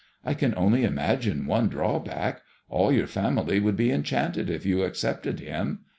I can only imagine one drawback. All your family would be enchanted if you accepted him.